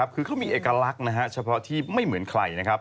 เขามีเอกลักษณ์เฉพาะที่ไม่เหมือนใคร